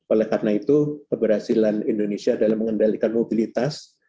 oleh karena itu keberhasilan indonesia dalam mengendalikan mobilitas